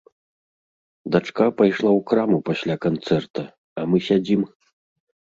Дачка пайшла ў краму пасля канцэрта, а мы сядзім.